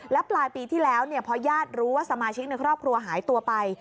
แล้วปลายปีที่แล้วพอญาติรู้ว่าสมาชิกในครอบครัวหายตัวไป